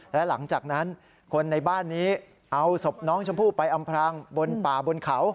และหลังจากนั้นคนในบ้านนี้เอาศพน้องชมพู่ไปอำพรางบนป่าบนเขา